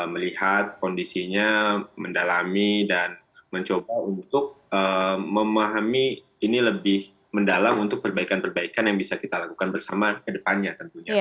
melihat kondisinya mendalami dan mencoba untuk memahami ini lebih mendalam untuk perbaikan perbaikan yang bisa kita lakukan bersama ke depannya tentunya